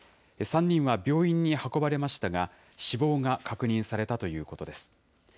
３人は病院に運ばれましたが、死亡が確認されたということです。